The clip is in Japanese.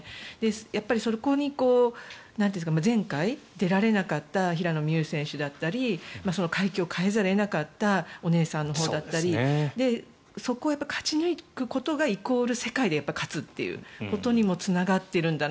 やっぱりそこに前回、出られなかった平野美宇選手だったり階級を変えざるを得なかったお姉さんのほうだったりそこを勝ち抜くことがイコール世界で勝つということにもつながっているんだな